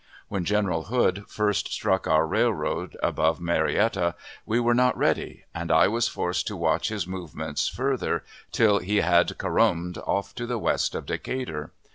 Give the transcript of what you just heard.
When General Hood first struck our railroad above Marietta, we were not ready, and I was forced to watch his movements further, till he had "carromed" off to the west of Decatur.